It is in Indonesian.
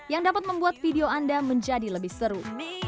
yang dapat membuat video anda menjadi lebih seru